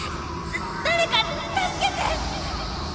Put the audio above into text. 誰か助けて！